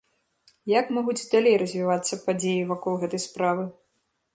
Як могуць далей развівацца падзеі вакол гэтай справы?